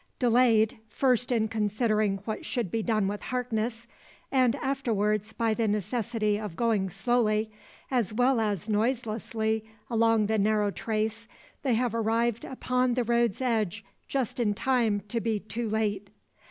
Delayed, first in considering what should be done with Harkness, and afterwards by the necessity of going slowly, as well as noiselessly along the narrow trace, they have arrived upon the road's edge just in time to be too late.